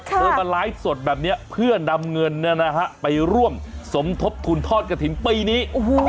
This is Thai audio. มาไลฟ์สดแบบนี้เพื่อนำเงินไปร่วมสมทบทุนทอดกระถิ่นปีนี้